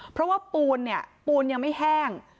เพราะว่าปูนเนี่ยปูนยังไม่แห้ง